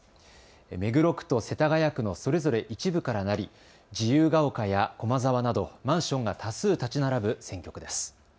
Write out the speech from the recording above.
目黒区と世田谷区のそれぞれ一部からなり自由が丘や駒沢などマンションが多数建ち並ぶ選挙区です。